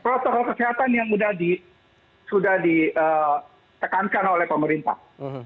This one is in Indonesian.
protokol kesehatan yang sudah ditekankan oleh pemerintah